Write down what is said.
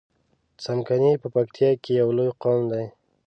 څمکني په پکتیا کی یو لوی قوم دی